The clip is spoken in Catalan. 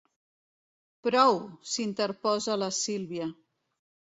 Prou! —s'interposa la Sílvia—.